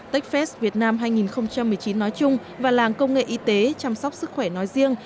techfest việt nam hai nghìn một mươi chín nói chung và làng công nghệ y tế chăm sóc sức khỏe nói riêng